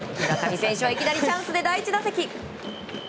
１回、村上選手はいきなりチャンスで第１打席。